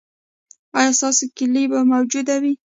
ایا ستاسو کیلي به موجوده وي؟